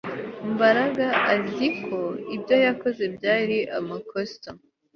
Mbaraga azi ko ibyo yakoze byari amakosa